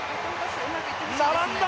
並んだ！